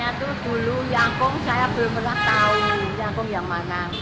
sejak dulu saya belum pernah tahu yang mana